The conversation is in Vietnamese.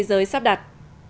thế giới sắp đặt